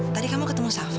tadi kamu ketemu sava